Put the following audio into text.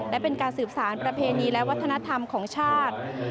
และเป็นการสืบสารประเพณีและวัฒนธรรมของชาติ